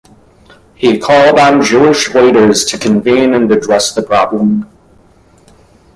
He called on Jewish leaders to convene and address the problem.